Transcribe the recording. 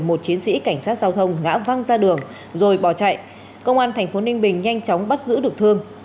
một chiến sĩ cảnh sát giao thông ngã văng ra đường rồi bỏ chạy công an thành phố ninh bình nhanh chóng bắt giữ được thương